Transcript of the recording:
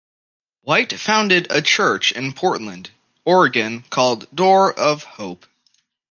White founded a church in Portland, Oregon called Door of Hope.